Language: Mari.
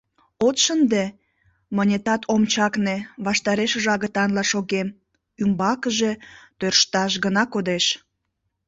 — От шынде! — мынетат ом чакне, ваштарешыже агытанла шогем, ӱмбакыже тӧршташ гына кодеш.